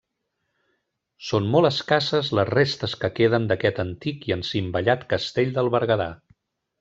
Són molt escasses les restes que queden d'aquest antic i encimbellat castell del Berguedà.